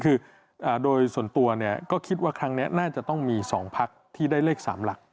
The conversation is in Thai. คือโดยส่วนตัวเนี่ยก็คิดว่าครั้งนี้น่าจะต้องมี๒พักที่ได้เลข๓หลัก